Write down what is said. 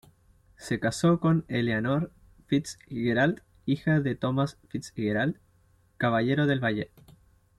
Se casó con Eleanor Fitzgerald, hija de Thomas Fitzgerald, Caballero del Valle.